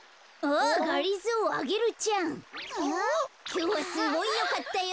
きょうはすごいよかったよ。